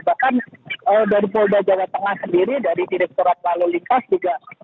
bahkan dari polda jawa tengah sendiri dari direkturat lalu lintas juga